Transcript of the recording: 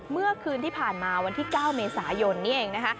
เมื่อคืนที่ผ่านมาวันที่๙เมษายนนี่เองนะคะ